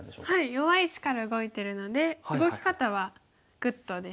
弱い石から動いてるので動き方はグッドです。